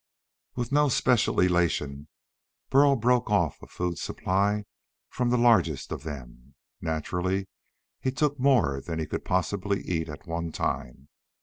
With no special elation, Burl broke off a food supply from the largest of them. Naturally, he took more than he could possibly eat at one time.